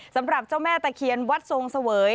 สำหรับเจ้าแม่ตะเคียนวัดทรงเสวย